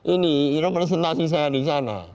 ini representasi saya disana